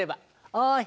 おい！